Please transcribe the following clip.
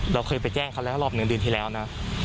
เราเคยไปแจ้งเขาแล้วรอบหนึ่งเดือนที่แล้วนะ